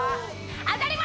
当たり前